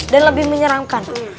dan lebih menyeramkan